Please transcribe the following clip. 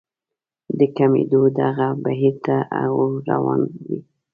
د کمېدو دغه بهير تر هغو روان وي.